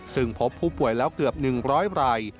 ซึ่งพบผู้ป่วยแล้วเกือบ๑๐๐ราย